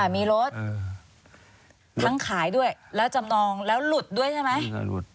มีรถทั้งขายด้วยแล้วจำนองแล้วหลุดด้วยใช่ไหม